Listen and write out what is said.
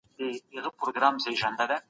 دا رنګ تر هغه بل ډير سپین دی.